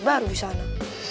baru di sana